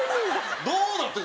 どうなってる？